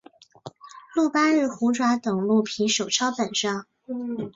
鹿八日虎爪等鹿皮手抄本上。